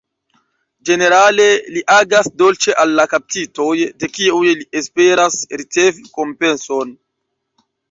Ĝenerale, li agas dolĉe al la kaptitoj, de kiuj li esperas ricevi kompenson.